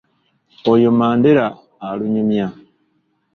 Oyo Mandera alunyumya.